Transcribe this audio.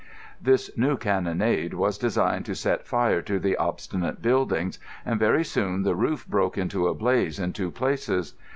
This new cannonade was designed to set fire to the obstinate buildings, and very soon the roof broke into a blaze in two places.